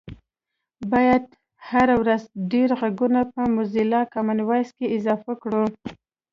باید هره ورځ ډېر غږونه په موزیلا کامن وایس کې اضافه کړو